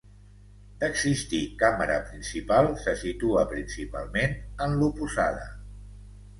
D'existir càmera principal, se situa principalment en l'oposada.